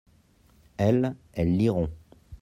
elles, elles liront.